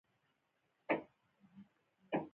زیاترو تاریخي ځایونو کې د رومیانو نښې ښکارېدې.